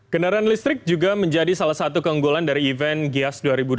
kendaraan listrik juga menjadi salah satu keunggulan dari event gias dua ribu dua puluh